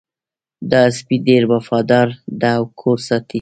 دا سپی ډېر وفادار ده او کور ساتي